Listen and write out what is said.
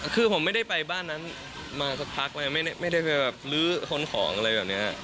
คือผมไม่ได้ไปบ้านนั้นมาสักพักแล้วไม่ได้ไปแบบลื้อคนของอะไรแบบนี้